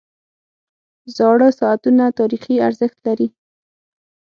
• زاړه ساعتونه تاریخي ارزښت لري.